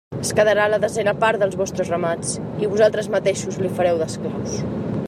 Es quedarà la desena part dels vostres ramats, i vosaltres mateixos li fareu d'esclaus.